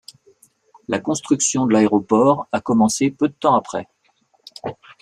La construction de l'aéroport a commencé peu de temps après.